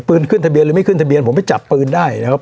ขึ้นทะเบียนหรือไม่ขึ้นทะเบียนผมไปจับปืนได้นะครับ